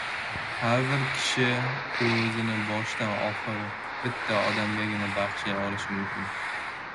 har bir kishi o‘zini boshdan-oxir bitta odamgagina bagishlay olishi mumkin.